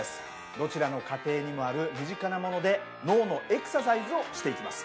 どちらの家庭にもある身近なもので脳のエクササイズをしていきます。